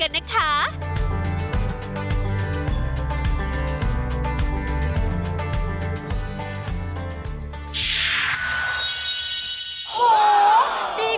ก็จะเชิญชวนน้ำชมทางบ้านที่